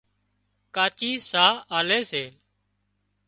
ڪاچي ساهَه آلي سي